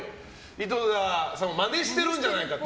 井戸田さんをマネしてるんじゃないかって。